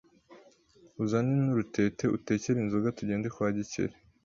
uzane n'urutete utekere inzoga tugende kwa gikeri